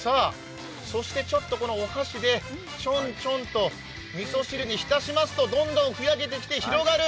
お箸でちょんちょんと、みそ汁に浸しますとどんどんふやけてきて、広がる。